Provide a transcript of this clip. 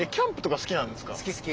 好き好き。